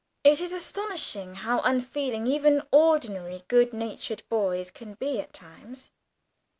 It is astonishing how unfeeling even ordinary good natured boys can be at times.